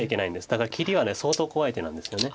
だから切りは相当怖い手なんですよね。